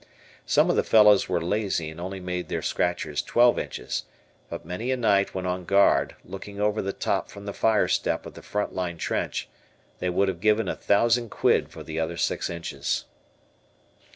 Some of the fellows were lazy and only made their scratchers twelve inches, but many a night when on guard, looking over the top from the fire step of the front line trench, they would have given a thousand "quid" for the other six inches.